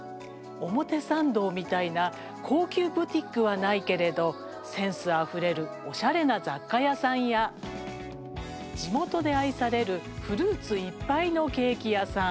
表参道みたいな高級ブティックはないけれどセンスあふれるおしゃれな雑貨屋さんや地元で愛されるフルーツいっぱいのケーキ屋さん。